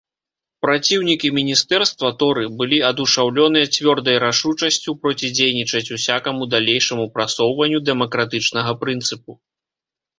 Праціўнікі міністэрства, торы, былі адушаўлёныя цвёрдай рашучасцю процідзейнічаць усякаму далейшаму прасоўванню дэмакратычнага прынцыпу.